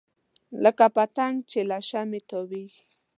لکه پتنګ چې له شمعې تاویږي.